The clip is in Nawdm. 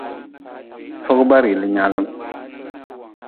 Fogba rili nyaalm.